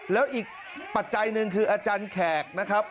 แล้วอีกปัจจัยหนึ่งคืออาจารย์แขกนะครับ